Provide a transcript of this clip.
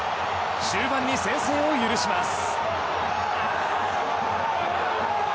終盤に先制を許します。